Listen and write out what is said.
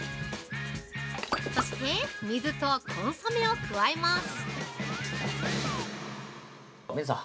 ◆そして、水とコンソメを加えます！